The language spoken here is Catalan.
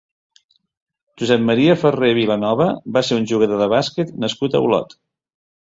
Josep Maria Ferrer Vilanova va ser un jugador de bàsquet nascut a Olot.